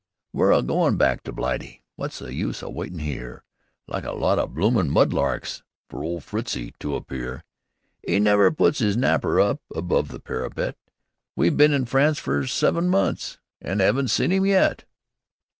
"We're a goin' back to Blightey Wot's the use a witin' 'ere Like a lot o' bloomin' mud larks Fer old Fritzie to appear? 'E never puts 'is napper up Above the parapet. We been in France fer seven months An' 'aven't seen 'im yet!"